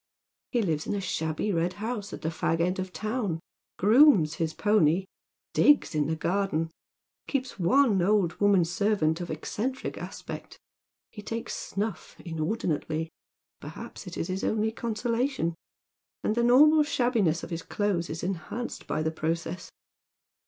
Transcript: He hves in a shabby red house at the fag end of the town, grooms his pony, digs in the garden, keeps one old woman servant of eccentric aspect ; he takes snulf in ordinately — perhaps it is his only consolation — and the normal (shabbiness of his clothes is enhanced by the process.